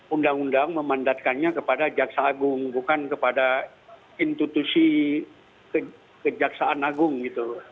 undang undang memandatkannya kepada jaksa agung bukan kepada institusi kejaksaan agung gitu loh